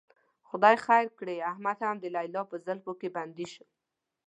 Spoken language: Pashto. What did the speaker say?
خدای خیر کړي، احمد هم د لیلا په زلفو کې بندي شو.